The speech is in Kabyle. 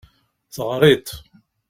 Teɣriḍ.